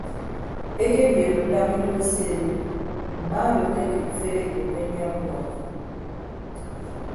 Ekebiodo daña ido eseedo mma odo akekịd ifed ekpo ke nnyọñọ udua.